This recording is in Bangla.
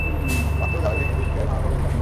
পাত্র যাবে ভেঙে, বিষক্রিয়ায় মারা পড়বে বিড়ালটা।